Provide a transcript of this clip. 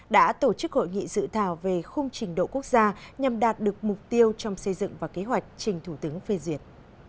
đã tổ chức hội nghị dự thảo về khung trình độ quốc gia nhằm đạt được mục tiêu trong xây dựng và kế hoạch trình thủ tướng phê duyệt